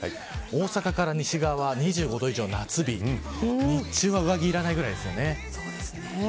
大阪から西側は２５度以上の夏日、日中は上着がいらないぐらいです。